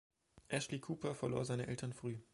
Ashley-Cooper verlor seine Eltern früh.